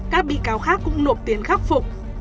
các bị cáo khác cũng nộp tiền khắc phục